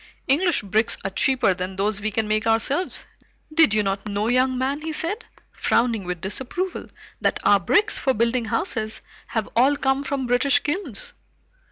English bricks are cheaper than those we can make ourselves. Did you not know, young man," he said, frowning with disapproval, "that our bricks for building houses have all come from British kilns?"